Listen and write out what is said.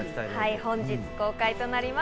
本日公開となります。